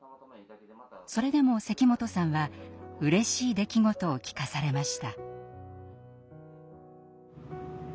それでも関本さんはうれしい出来事を聞かされました。